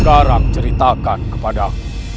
sekarang ceritakan kepadamu